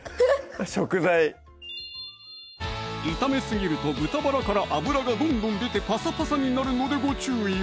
食材炒めすぎると豚バラから脂がどんどん出てパサパサになるのでご注意を！